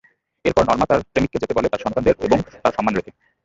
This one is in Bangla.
এরপর নর্মা তার প্রেমিককে যেতে বলে, তার সন্তানদের এবং তার সম্মান রেখে।